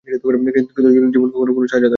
কিন্তু জুনির জীবন কখন কোন শাহজাদা আসবে?